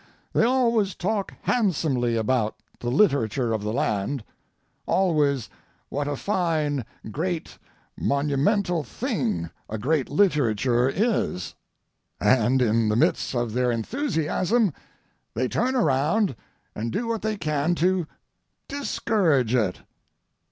They always talk handsomely about the literature of the land, always what a fine, great, monumental thing a great literature is, and in the midst of their enthusiasm they turn around and do what they can to discourage it.